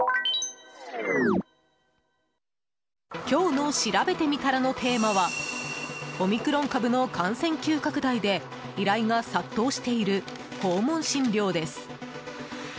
今日のしらべてみたらのテーマはオミクロン株の感染急拡大で依頼が殺到している訪問診療です。